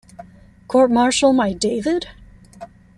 Court-martial my David?